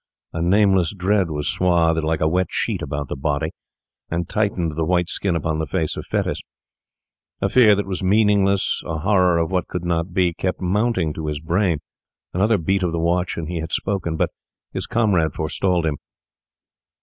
A nameless dread was swathed, like a wet sheet, about the body, and tightened the white skin upon the face of Fettes; a fear that was meaningless, a horror of what could not be, kept mounting to his brain. Another beat of the watch, and he had spoken. But his comrade forestalled him.